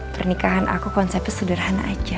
pernikahan aku konsepnya sederhana aja